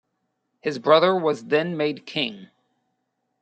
His brother was then made king.